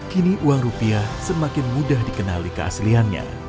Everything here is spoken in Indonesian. kini uang rupiah semakin mudah dikenali keasliannya